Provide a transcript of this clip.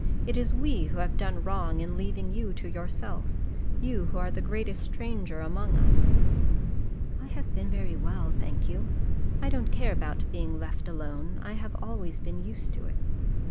It is we who have done wrong in leaving you to yourself you who are the greatest stranger among us." "I have been very well, thank you. I don't care about being left alone. I have always been used to it."